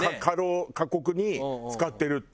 過酷に使ってるって。